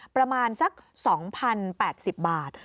ประมาณสัก๒๐๘๐บาท